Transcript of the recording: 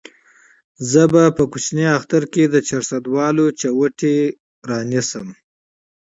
زه به وړوکي اختر له چارسدوالې څپلۍ اخلم